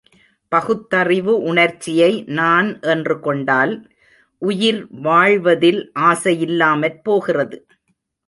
பகுத்தறிவு உணர்ச்சியை நான் என்று கொண்டால், உயிர் வாழ்வதில் ஆசை யில்லாமற் போகிறது.